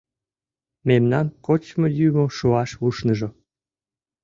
Мемнан кочмо-йӱмӧ шуаш ушныжо.